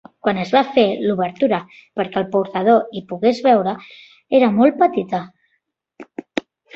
Quan es van fer, l’obertura perquè el portador hi pogués veure era molt petita.